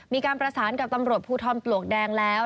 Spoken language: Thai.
มีการประสานกับตำรวจภูทรปลวกแดงแล้ว